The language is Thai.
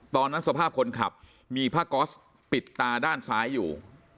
ตอนนั้นสภาพคนขับมีผ้าก๊อสปิดตาด้านซ้ายอยู่